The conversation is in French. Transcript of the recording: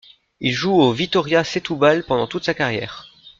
Il joue au Vitória Setúbal pendant toute sa carrière.